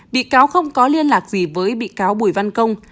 bị cáo không có liên lạc gì với bị cáo bùi văn công